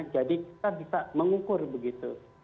jadi kita bisa mengukur begitu